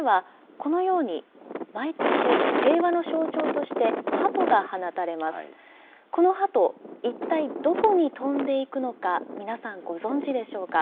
このハト、一体どこに飛んでいくのか、皆さんご存じでしょうか。